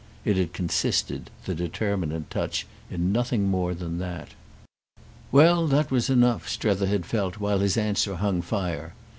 _"—it had consisted, the determinant touch, in nothing more than that. Well, that was enough, Strether had felt while his answer hung fire.